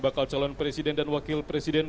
bakal calon presiden dan wakil presiden